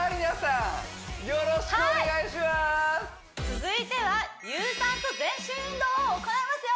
続いては有酸素全身運動を行いますよ